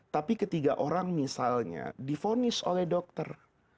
tapi ketika orang misalnya difonis oleh dokter